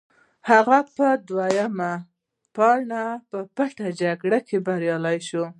هغه په دویمه پاني پت جګړه کې بریالی شو.